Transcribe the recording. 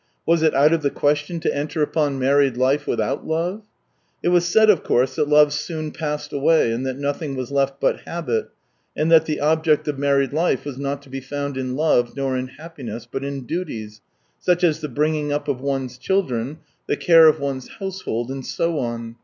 Was it out of the question to enter upon married life without love ? It was said, of course, that love soon passed away and that nothing was left but habit, and that the object of married life was not to be found in love, nor in happiness, but in duties, such as the bring ing up of one's children, the care of one's house 204 THE TALES OF TCHEHOV hold, and so on.